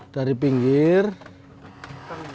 dari pinggir dulu